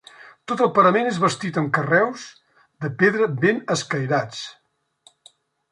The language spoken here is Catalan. Tot el parament és bastit amb carreus de pedra ben escairats.